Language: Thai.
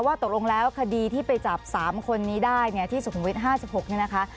ว่าตกลงแล้วคดีที่ไปจับ๓คนนี้ได้ที่๑๖๕๖นะคะ